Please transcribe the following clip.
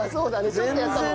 ちょっとやったもんね。